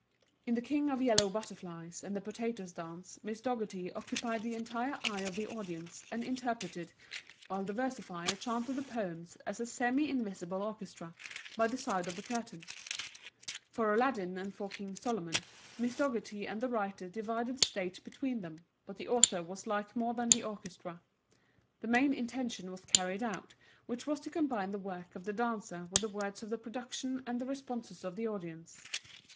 In the King of Yellow Butterflies and the Potatoes' Dance Miss Dougherty occupied the entire eye of the audience and interpreted, while the versifier chanted the poems as a semi invisible orchestra, by the side of the curtain. For Aladdin and for King Solomon Miss Dougherty and the writer divided the stage between them, but the author was little more than the orchestra. The main intention was carried out, which was to combine the work of the dancer with the words of the production and the responses of the audience.